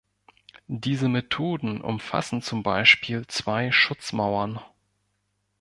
Diese Methoden umfassen zum Beispiel zwei Schutzmauern.